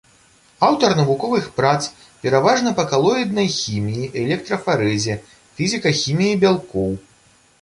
Аўтар навуковых прац пераважна па калоіднай хіміі, электрафарэзе, фізікахіміі бялкоў.